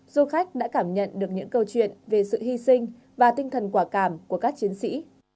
du khách đã cảm nhận được những câu chuyện về sự hy sinh và tinh thần quả cảm của các chiến sĩ